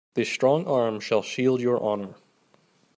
This strong arm shall shield your honor.